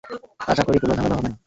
আশা করি কোনো ঝামেলা হবে না।